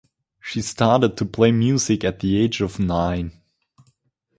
She started to play music at the age of nine.